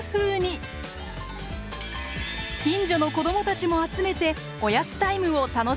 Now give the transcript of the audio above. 近所の子どもたちも集めておやつタイムを楽しんだそうです。